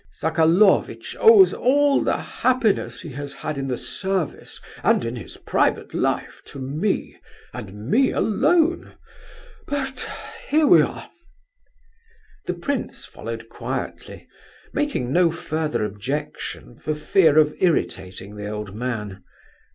Sokolovitch owes all the happiness he has had in the service and in his private life to me, and me alone, but... here we are." The prince followed quietly, making no further objection for fear of irritating the old man.